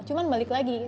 cuma balik lagi